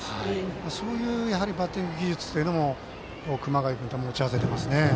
そういうバッティング技術も熊谷君は持ち合わせていますね。